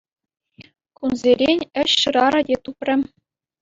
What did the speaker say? Кунсерен ĕç шырарӗ те тупрӗ.